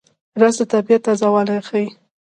رس د طبیعت تازهوالی ښيي